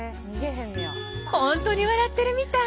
ほんとに笑ってるみたい！